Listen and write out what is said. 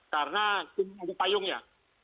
karena ini ada payungnya